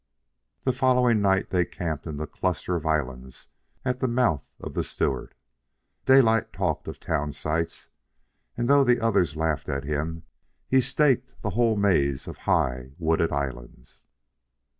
The following night they camped in the cluster of islands at the mouth of the Stewart. Daylight talked town sites, and, though the others laughed at him, he staked the whole maze of high, wooded islands.